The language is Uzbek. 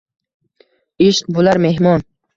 ishq bo’lar mehmon.